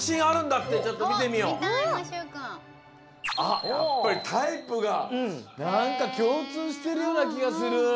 あっやっぱりタイプがなんかきょうつうしてるようなきがする。